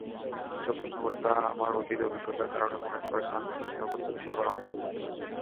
এসব প্রশ্নকর্তা আমার অতীত অভিজ্ঞতার কারণে মনে করেন, আমি নিরাপত্তা বিষয়ে পারঙ্গম।